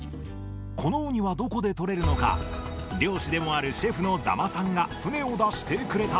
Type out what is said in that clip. このウニはどこで取れるのか、漁師でもあるシェフのざまさんが船を出してくれた。